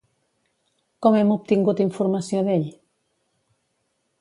Com hem obtingut informació d'ell?